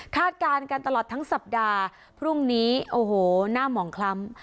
การกันตลอดทั้งสัปดาห์พรุ่งนี้โอ้โหหน้าหมองคล้ำ